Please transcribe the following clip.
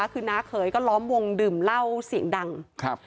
คือน้าเขยก็ล้อมวงดื่มเหล้าเสียงดังครับ